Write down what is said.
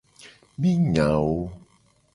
Mi nya wo.